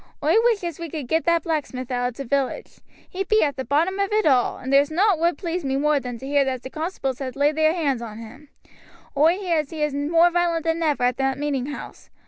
Oi wish as we could get that blacksmith out of t' village; he be at the bottom of it all, and there's nowt would please me more than to hear as the constables had laid their hands on him. Oi hear as how he is more violent than ever at that meeting house.